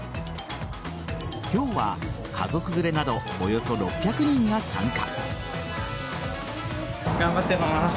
今日は家族連れなどおよそ６００人が参加。